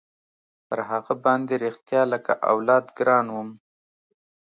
پر هغه باندې رښتيا لكه اولاد ګران وم.